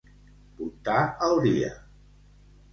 Puntar el dia.